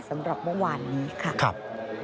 สำหรับวันวานนี้ค่ะครับ